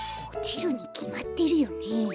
おちるにきまってるよね？